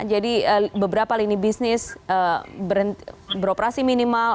jadi beberapa lini bisnis beroperasi minimal